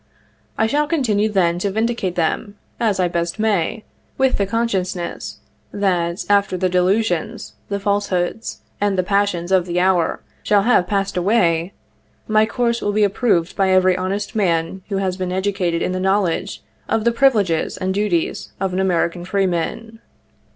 I shall continue, then, to vindicate them, as I best may, with the consciousness that, after the delusions, the falsehoods, and the passions of the hour shall have passed away, my course will be approved by every honest man who has been educated in the know ledge of the privileges and duties of an American freeman.